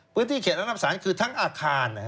พื้นที่เขตอำนาจศาลคือทั้งอาคาร